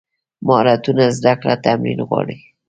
مهارتونه زده کړه تمرین غواړي.